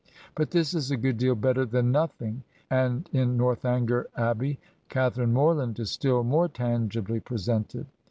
But this is a good deal better than nothing, and in "Northanger Ab bey" Catharine Morland is still more tangibly presented.